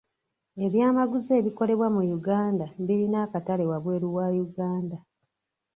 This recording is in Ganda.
Ebyamaguzi ebikolebwa mu Uganda bilina akatale waabweru wa Uganda.